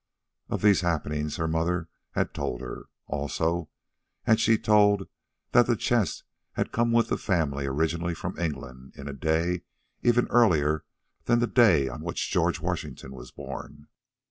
Of these happenings her mother had told her; also had she told that the chest had come with the family originally from England in a day even earlier than the day on which George Washington was born.